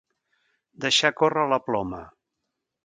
Deixar córrer la ploma.